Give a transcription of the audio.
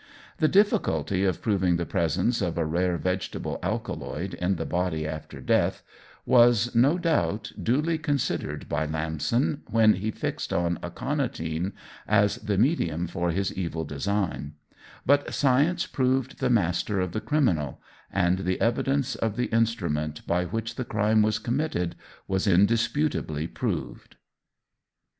The difficulty of proving the presence of a rare vegetable alkaloid in the body after death was, no doubt, duly considered by Lamson when he fixed on aconitine as the medium for his evil design; but science proved the master of the criminal, and the evidence of the instrument by which the crime was committed was indisputably proved.